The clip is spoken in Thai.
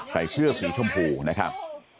ใส่เสื้อสีชมพูนะครับ